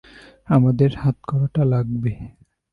আমাদের হাতকড়াটা লাগবে।